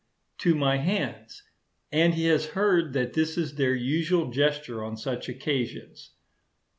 to my hands; and he has heard that this is their usual gesture on such occasions.